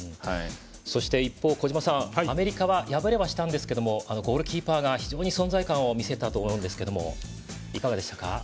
そして、一方で小島さんアメリカは敗れはしましたがゴールキーパーが非常に存在感を見せたと思うんですけどいかがでしたか？